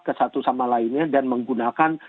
kesatu sama lainnya dan menggunakan